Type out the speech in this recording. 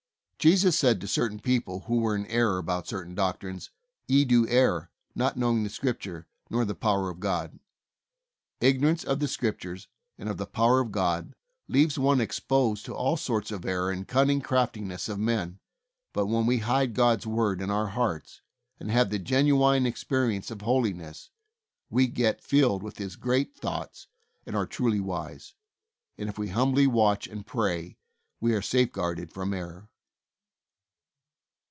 Jesus said to certain people who were in error about certain doctrines, "Ye do err, not knowing the Scriptures, nor the power of God." Ignorance of the Scriptures and of the power of God leaves one exposed to all sorts of error and cunning craftiness of men, but when we hide God's Word in our hearts, and have the genuine experience of holiness, we get filled with His great thoughts and are truly wise, and if we hum bly watch and pray we are safeguarded from error.